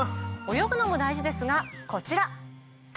泳ぐのも大事ですがこちら。